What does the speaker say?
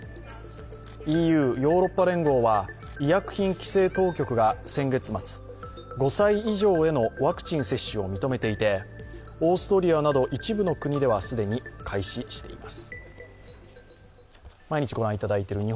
ＥＵ＝ヨーロッパ連合は医薬品規制当局が先月末、５歳以上へのワクチン接種を認めていて、オーストリアなど一部の国では既に開始しています。